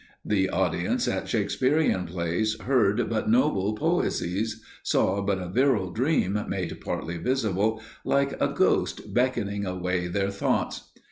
The audience at Shakespearean plays heard but noble poesies, saw but a virile dream made partly visible, like a ghost beckoning away their thoughts.